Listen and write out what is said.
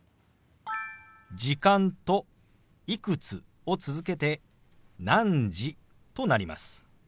「時間」と「いくつ」を続けて「何時」となります。